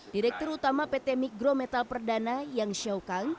direktur utama pt migro metal perdana yang shou kang